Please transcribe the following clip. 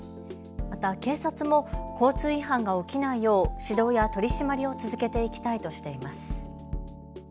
また警察も交通違反が起きないよう指導や取締りを続けていきたいとしています。